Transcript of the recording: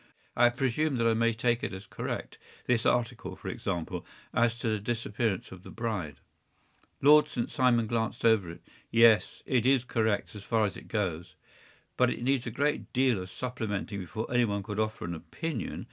I presume that I may take it as correct—this article, for example, as to the disappearance of the bride.” Lord St. Simon glanced over it. “Yes, it is correct, as far as it goes.” “But it needs a great deal of supplementing before any one could offer an opinion.